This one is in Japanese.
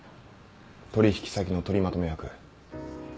取引先の取りまとめ役。